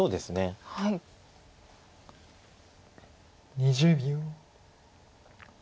２０秒。